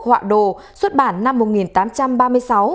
họa đồ xuất bản năm một nghìn tám trăm ba mươi sáu